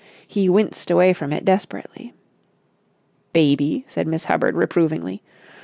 He winced away from it desperately. "Baby!" said Miss Hubbard reprovingly.